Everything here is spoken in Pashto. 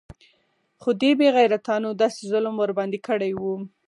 خو دې بې غيرتانو داسې ظلم ورباندې کړى و.